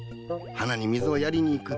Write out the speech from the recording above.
花に水をやりに行く。